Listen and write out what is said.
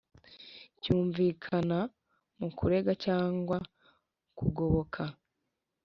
Cyumvikana mu kurega cyangwa kugoboka